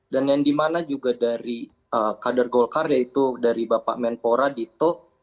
dan yang dimana juga dari kader golkar yaitu dari bapak menpora dito